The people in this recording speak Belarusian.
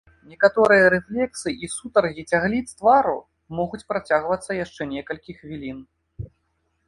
Некаторыя рэфлексы і сутаргі цягліц твару могуць працягвацца яшчэ некалькі хвілін.